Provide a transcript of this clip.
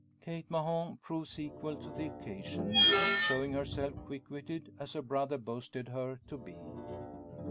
Kate Mahon proves equal to the occasion; showing herself quick witted, as her brother boasted her to be.